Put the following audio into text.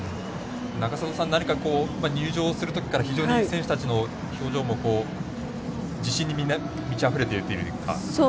永里さん、入場するとき非常に選手たちの表情も自信に満ちあふれているというか。